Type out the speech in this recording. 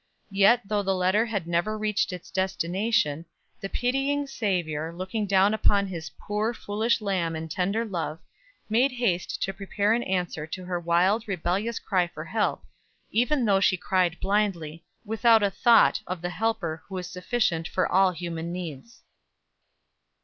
Yet, though the letter had never reached its destination, the pitying Savior, looking down upon his poor, foolish lamb in tender love, made haste to prepare an answer to her wild, rebellious cry for help, even though she cried blindly, without a thought of the Helper who is sufficient for all human needs.